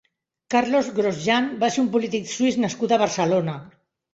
Carlos Grosjean va ser un polític suís nascut a Barcelona.